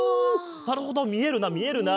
なるほどみえるなみえるな。